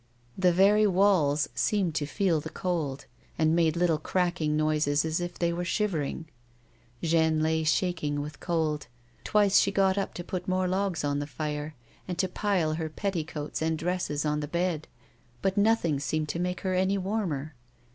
The very walls seemed to feel the cold, and made little crackling noises as if they were shivering. Jeanne lay shaking with cold ; twice she got up to put more logs on the fire, and to pile her petticoats and dresses on the bed, but nothing seemed to make her any warmer.